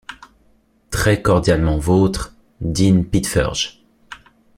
Très-cordialement vôtre, « Dean Pitferge.